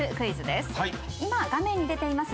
今画面に出ています